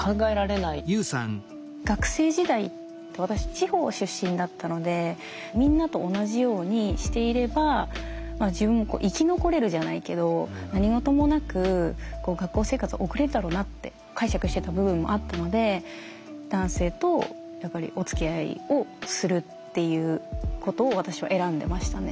学生時代私地方出身だったのでみんなと同じようにしていればまあ自分もこう生き残れるじゃないけど何事もなく学校生活を送れるだろうなって解釈してた部分もあったので男性とやっぱりおつきあいをするっていうことを私は選んでましたね。